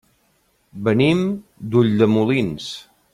Venim d'Ulldemolins.